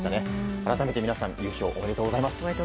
改めて皆さん、優勝おめでとうございます。